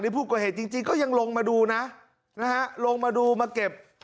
ผู้ก่อเหตุจริงก็ยังลงมาดูนะนะฮะลงมาดูมาเก็บ